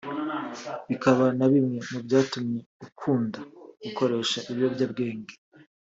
bikaba na bimwe mu byatumye ukunda gukoresha ibiyobyabwenge